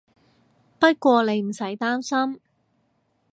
不過你唔使擔心